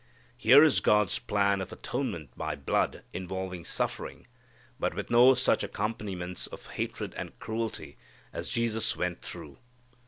Here is God's plan of atonement by blood, involving suffering, but with no such accompaniments of hatred and cruelty as Jesus went through.